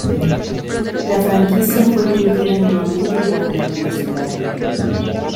La franquicia fue vendida nuevamente y abandonó la ciudad.